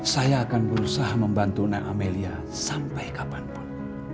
saya akan berusaha membantu na amelia sampai kapanpun